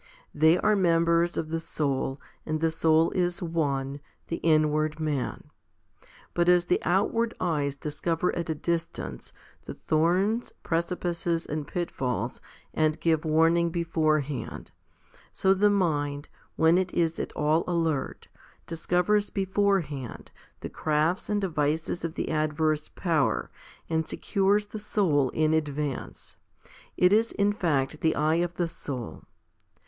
They are members of the soul, and the soul is one, the inward man. But as the out ward eyes discover at a distance the thorns, precipices, and pitfalls, and give warning beforehand, so the mind, when it is at all alert, discovers beforehand the crafts and devices of the adverse power, and secures the soul in advance. It is in fact the eye of the soul.